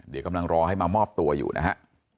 เดี๋ยวกำลังรอให้มามอบตัวอยู่นะฮะ